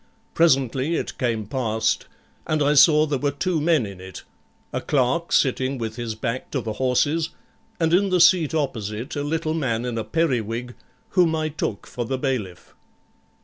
Presently it came past, and I saw there were two men in it a clerk sitting with his back to the horses, and in the seat opposite a little man in a periwig, whom I took for the bailiff.